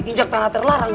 injak tanah terlarang ini